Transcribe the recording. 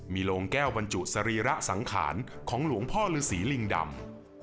มีโรงแก้วบรรจุสรีระสังขารของหลวงพ่อฤษีลิงดำ